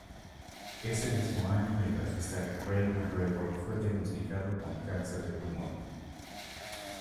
Ese mismo año el bajista Craig MacGregor fue diagnosticado con cáncer de pulmón.